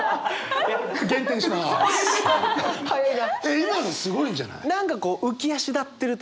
今のすごいんじゃない？